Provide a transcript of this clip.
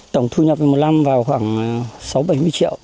tổng thu nhập một năm vào khoảng sáu bảy mươi triệu